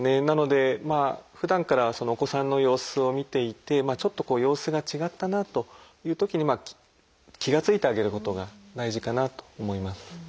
なのでふだんからお子さんの様子を見ていてちょっとこう様子が違ったなというときに気が付いてあげることが大事かなと思います。